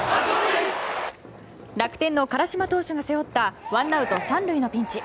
楽天の辛島投手が背負ったワンアウト３塁のピンチ。